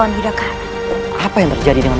kau akan ke luckily land